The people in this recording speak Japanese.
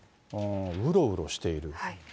うろうろしている。